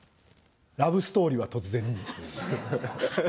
ラブストーリーは突然に。